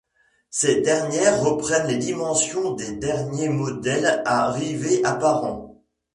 Ces dernières reprennent les dimensions des derniers modèles à rivets apparents.